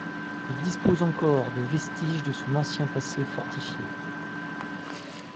Il dispose encore de vestiges de son ancien passé fortifié.